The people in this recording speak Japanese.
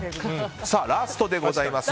ラストです。